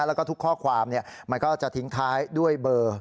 แล้วก็ทุกข้อความมันก็จะทิ้งท้ายด้วยเบอร์